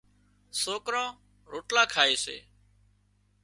سوڪران روٽلا کائي سي۔